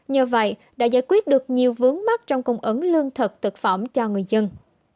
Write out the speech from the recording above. nhờ vậy đã giải quyết được nhiều vướng mắt trong cung ứng lương thực thực phẩm cho người dân